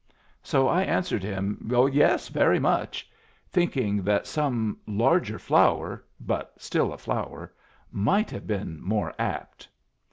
So I answered him, "Yes, very much," thinking that some larger flower but still a flower might have been more apt.